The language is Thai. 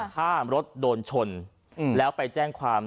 ถ้ารถโดนชนแล้วไปแจ้งความ